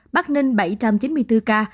bắc ninh bảy trăm chín mươi bốn ca